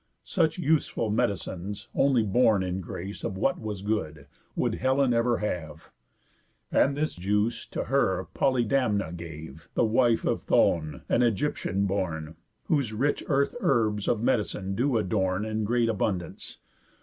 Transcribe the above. Such useful medicines, only borne in grace Of what was good, would Helen ever have. And this juice to her Polydamna gave The wife of Thoon, an Ægyptian born, Whose rich earth herbs of medicine do adorn In great abundance.